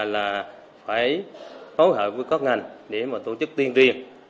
là phải phối hợp với các ngành để tổ chức tiên riêng